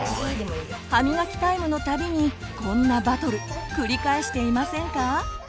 歯みがきタイムのたびにこんなバトル繰り返していませんか？